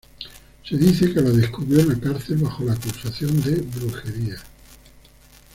Se dice que la descubrió en la cárcel bajo la acusación de brujería.